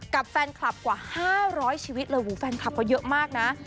กับแฟนคลับกว่า๕๐๐ชีวิตเลยหูแฟนคลับเขาเยอะมากนะ